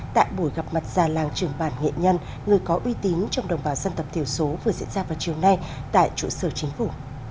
tại buổi gặp mặt già làng trường bản nghệ nhân người có uy tín trong đồng bào dân tộc thiểu số vừa diễn ra vào chiều nay tại trụ sở chính phủ